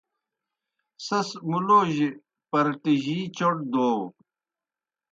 سیْس مُلوجیْ پرٹِجِی چوْٹ دَو۔